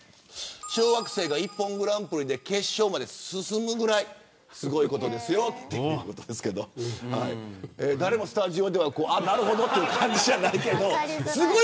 小学生がＩＰＰＯＮグランプリで決勝まで進むぐらいすごいことですよと言ってますけど誰もスタジオでは、なるほどという感じじゃないですけど。